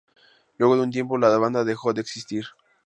Luego de un tiempo la banda dejó de existir.